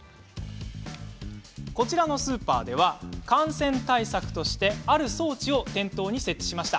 こちらのスーパーでは感染対策としてある装置を店頭に設置しました。